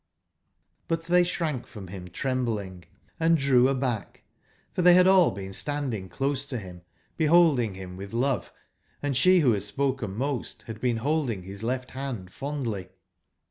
Crc tbey sbrank from bim trembling, and drew aback; for tbey bad all been standing close to bim, bebolding bim witb love, and sbewbo bad spoken most bad been bolding bis left band fondly.